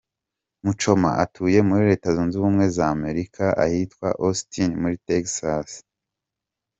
Muchoma atuye muri Leta Zunze Ubumwe za Amerika ahitwa Austin muri Texas.